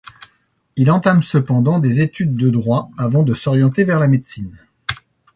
Il entame cependant des études de droit avant de s'orienter vers la médecine.